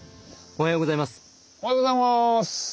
おはようございます！